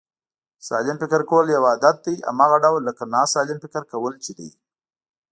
سالم فکر کول یو عادت دی، هماغه ډول لکه ناسلم فکر کول چې دی